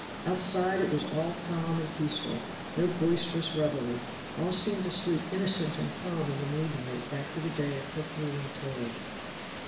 Outside it was all calm and peaceful. No boisterous revelry all seemed to sleep innocent and calm in the moonlight after the day of herculean toil.